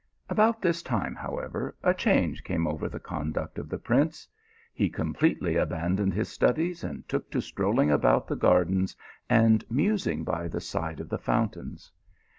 About this time, however, a change came over the conduct of the prince. He completely abandoned his studies and took to strolling about the gardens and musing by the side of the fountains.